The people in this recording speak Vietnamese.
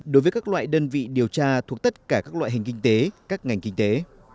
đối với các loại đơn vị điều tra thuộc tất cả các loại hình kinh tế các ngành kinh tế